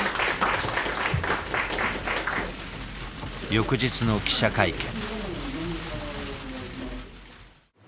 翌日の記者会見。